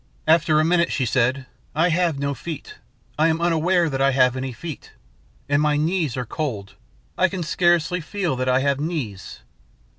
"After a minute she said, 'I have no feet. I am unaware that I have any feet. And my knees are cold. I can scarcely feel that I have knees.'